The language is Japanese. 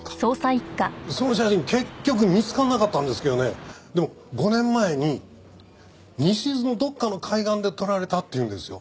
その写真結局見つからなかったんですけどねでも５年前に西伊豆のどっかの海岸で撮られたって言うんですよ。